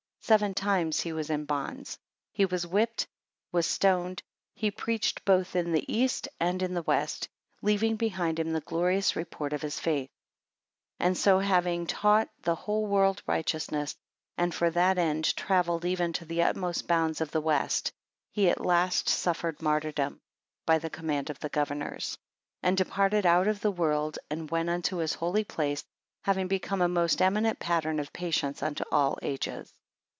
Seven times he was in bonds; he was whipped, was stoned; he preached both in the East and in the West; leaving behind him the glorious report of his faith: 14 And so having taught the whole world righteousness, and for that end travelled even to the utmost bounds of the West; he at last suffered martyrdom by the command of the governors, 15 And departed out of the world, and went unto his holy place; having become a most eminent pattern of patience unto all ages.